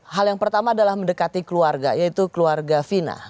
hal yang pertama adalah mendekati keluarga yaitu keluarga fina